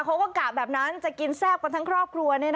กะแบบนั้นจะกินแซ่บกันทั้งครอบครัว